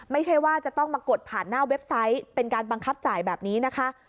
ไม่ใช่ว่าจะต้องมากดผ่านหน้าเว็บไซต์เป็นการบังคับจ่ายแบบนี้นะคะ